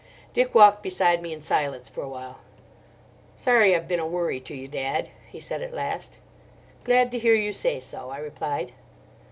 Dick walked beside me in silence for awhile. "Sorry I've been a worry to you, dad," he said at last "Glad to hear you say so," I replied.